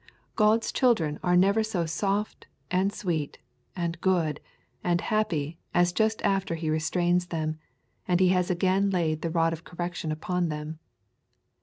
God's children are never so soft, and sweet, and good, and happy as just after He restrains them, and has again laid the rod of correction upon them.